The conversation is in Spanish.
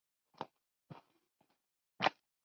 George creció en Berlín con su hermano mayor Jan y su madre.